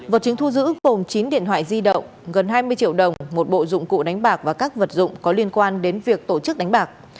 vật chứng thu giữ gồm chín điện thoại di động gần hai mươi triệu đồng một bộ dụng cụ đánh bạc và các vật dụng có liên quan đến việc tổ chức đánh bạc